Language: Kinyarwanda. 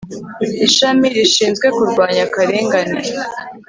ishami rishinzwe kurwanya akarengane